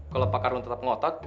kalo pak ardun tetep ngotot